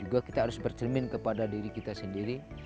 juga kita harus bercermin kepada diri kita sendiri